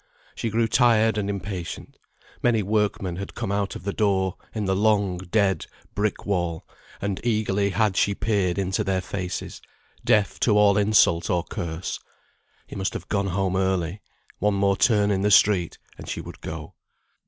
She grew tired and impatient; many workmen had come out of the door in the long, dead, brick wall, and eagerly had she peered into their faces, deaf to all insult or curse. He must have gone home early; one more turn in the street, and she would go.